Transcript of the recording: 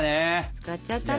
使っちゃったね。